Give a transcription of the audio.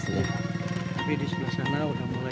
tapi di sebelah sana udah mulai kosong pak